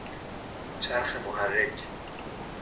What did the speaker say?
چرخ محرک